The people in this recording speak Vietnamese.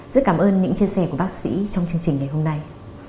rất cảm ơn những chia sẻ của bác sĩ trong chương trình ngày hôm nay